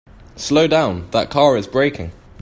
Slow down, that car is braking!